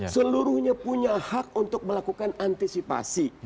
seluruhnya punya hak untuk melakukan antisipasi